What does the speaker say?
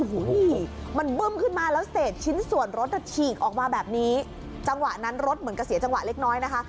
โอ้โหนี่มันบึ้มขึ้นมาแล้วเศษชิ้นส่วนรถฉีกออกมาแบบนี้จังหวะนั้นรถเหมือนกับเสียจังหวะเล็กน้อยนะคะ